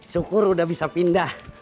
syukur udah bisa pindah